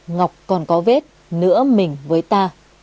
ngọc còn có vết nữa mình với ta